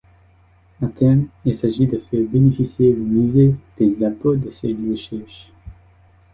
À terme, il s’agit de faire bénéficier les musées des apports de ces recherches.